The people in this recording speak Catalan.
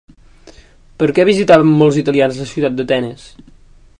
Per què visitaven molts italians la ciutat d'Atenes?